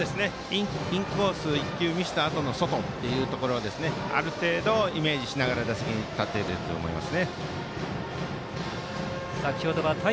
インコース１球見せたあとの外というところをイメージしながら打席に立ててると思います。